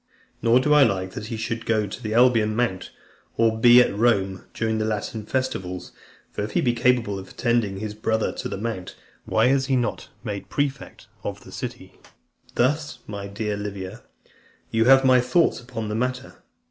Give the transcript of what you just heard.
Nor do I like that he should go to the Alban Mount , or be at Rome during the Latin festivals. For if he be capable of attending his brother to the mount, why is he not made prefect of the city? Thus, my dear Livia, you have my thoughts upon the matter.